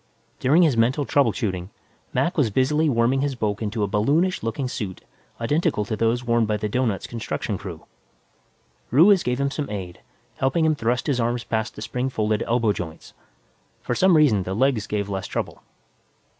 During his mental trouble shooting, Mac was busily worming his bulk into a balloonish looking suit identical to those worn by the doughnut's construction crew. Ruiz gave him some aid, helping him thrust his arms past the spring folded elbow joints. For some reason, the legs gave less trouble.